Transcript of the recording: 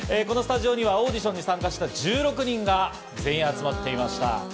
このスタジオにはオーディションに参加した１６人が全員集まっていました。